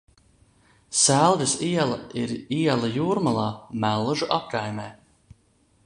Selgas iela ir iela Jūrmalā, Mellužu apkaimē.